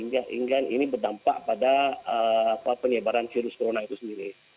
sehingga ini berdampak pada penyebaran virus corona itu sendiri